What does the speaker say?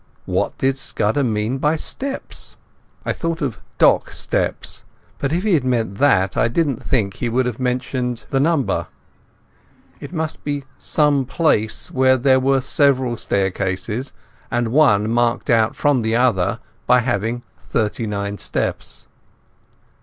What did Scudder mean by steps? I thought of dock steps, but if he had meant that I didn't think he would have mentioned the number. It must be some place where there were several staircases, and one marked out from the others by having thirty nine steps.